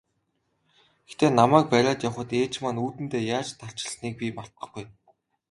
Гэхдээ намайг бариад явахад ээж маань үүдэндээ яаж тарчилсныг би мартахгүй.